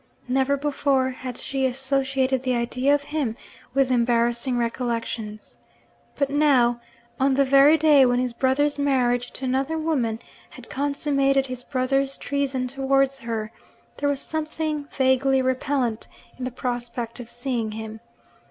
Never before had she associated the idea of him with embarrassing recollections. But now, on the very day when his brother's marriage to another woman had consummated his brother's treason towards her, there was something vaguely repellent in the prospect of seeing him.